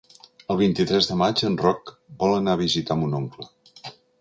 El vint-i-tres de maig en Roc vol anar a visitar mon oncle.